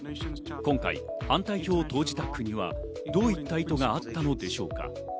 今回、反対票を投じた国はどういった意図があったのでしょうか。